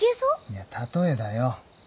いやたとえだよ。